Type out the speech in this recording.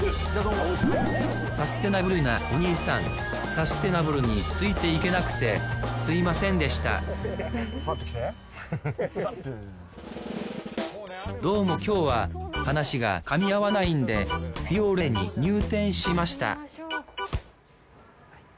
サステナブルなお兄さんサステナブルについていけなくてすみませんでしたどうも今日は話が噛み合わないんでフィオーレに入店しました